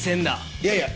いやいや。